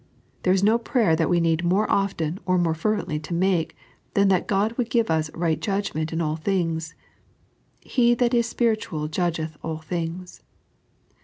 Vhexe is no prayer that we need more often or more fervently to make than that God would give us right judgment in all things. " He that is spiritual judgeth all things."